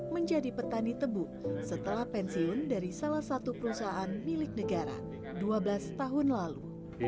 menjadi petani tebu setelah pensiun dari salah satu perusahaan milik negara dua belas tahun lalu